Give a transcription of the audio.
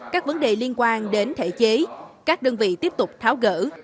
các vấn đề liên quan đến thể chế các đơn vị tiếp tục tháo gỡ